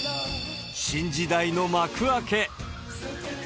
新時代の幕開け。